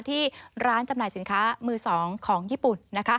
ที่ร้านจำหน่ายสินค้ามือ๒ของญี่ปุ่น